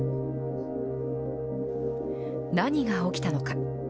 何が起きたのか。